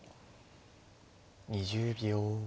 ２０秒。